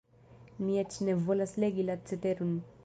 Mi eĉ ne volas legi la ceteron.